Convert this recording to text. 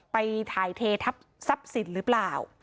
ไปถ่ายเททัพสับสินหรือเปล่า